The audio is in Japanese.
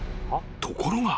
［ところが］